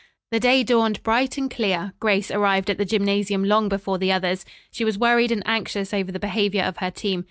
The day dawned bright and clear. Grace arrived at the gymnasium long before the others. She was worried and anxious over the behavior of her team.